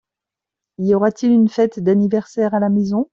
Y aura-t-il une fête d'anniversaire à la maison ?